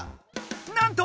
なんと！